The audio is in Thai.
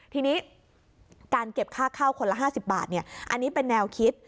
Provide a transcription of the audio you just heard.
ทีนี้การเก็บค่าข้าวคนละ๕๐บาทอันนี้เป็นแนวคิด